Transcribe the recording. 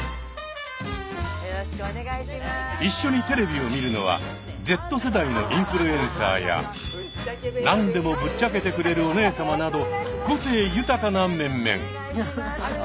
一緒にテレビを見るのはＺ世代のインフルエンサーや何でもぶっちゃけてくれるおねえさまなど個性豊かな面々。